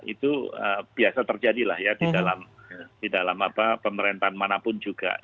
itu biasa terjadilah ya di dalam pemerintahan manapun juga